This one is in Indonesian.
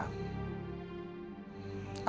saya sudah memenangkan sayembara